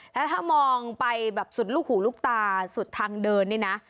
แล้วถ้ามองไปแบบสุดลูกหูลูกตาสุดทางเดินนี่นะ